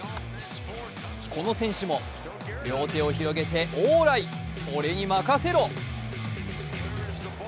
この選手も、両手を広げてオーライ俺に任せろ。